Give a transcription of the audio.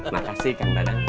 makasih kang dadang